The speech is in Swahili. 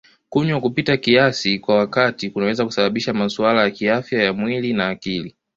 Kunywa kupita kiasi kwa wakati kunaweza kusababisha masuala ya kiafya ya mwili na akili.